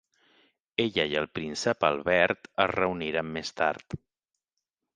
Ella i el Príncep Albert es reuniren més tard.